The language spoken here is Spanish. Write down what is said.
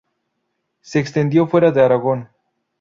Se extendió fuera de Aragón.